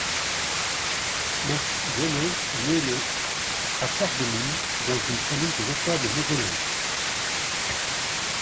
Max Jaunez naît le à Sarreguemines dans une famille de notables mosellans.